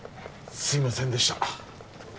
すいませんでした。